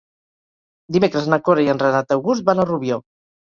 Dimecres na Cora i en Renat August van a Rubió.